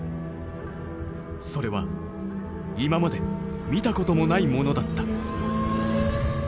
それは今まで見たこともないものだった。